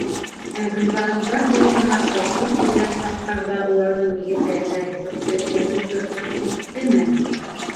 Ә Гөлбаныуҙар йортона ҡытлыҡ килгән саҡтарҙа уларҙың нигеҙҙәренә ризыҡты әҙ ултыртып киттеме?